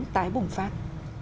tái bùng phát